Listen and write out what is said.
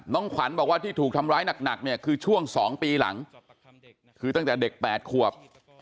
ขวัญบอกว่าที่ถูกทำร้ายหนักเนี่ยคือช่วง๒ปีหลังคือตั้งแต่เด็ก๘ขวบ